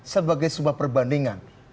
sebagai sumber perbandingan